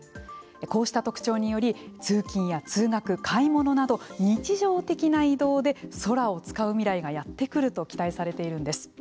こうした特徴により、通勤や通学買い物など日常的な移動で空を使う未来がやってくると期待されているんです。